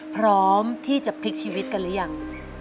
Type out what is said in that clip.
พร้อมที่จะพลิกชีวิตกันหรือยัง